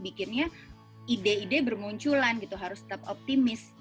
bikinnya ide ide bermunculan gitu harus tetap optimis